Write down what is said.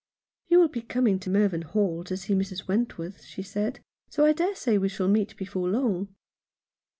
"You will be coming to Mervynhall to see Mrs. Wentworth," she said ; "so I dare say we shall meet before long."